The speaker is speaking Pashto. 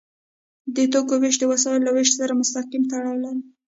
د توکو ویش د وسایلو له ویش سره مستقیم تړاو لري.